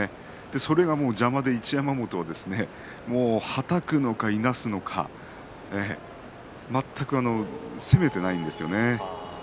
それが邪魔で一山本ははたくのか、いなすのか全く攻めていないんですよね。